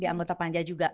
di anggota panja juga